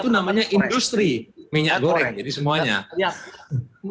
kan perlu panjanya itu namanya industri minyak goreng jadi semuanya